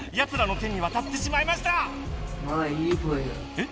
えっ？